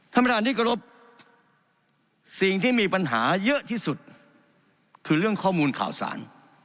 ท่านประธานที่กรบสิ่งที่มีปัญหาเยอะที่สุดคือเรื่องข้อมูลข่าวสาร